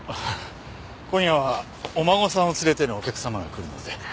今夜はお孫さんを連れてのお客様が来るので。